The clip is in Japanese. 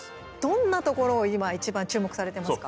どんなところを今いちばん注目されてますか？